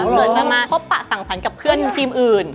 เหมือนจะมาพบปะสั่งสันกับเพื่อนทีมอื่น